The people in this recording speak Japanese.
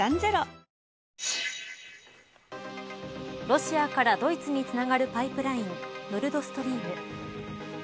ロシアからドイツにつながるパイプラインノルドストリーム。